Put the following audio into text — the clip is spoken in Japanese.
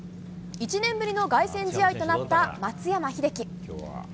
１年ぶりの凱旋試合となった松山英樹。